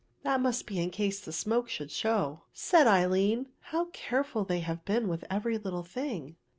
"That must be in case the smoke should show," said Aline; "how careful they have been with every little thing!"